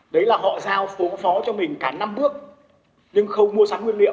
đấy là họ giao phố phó cho mình cả năm bước nhưng không mua sắm nguyên liệu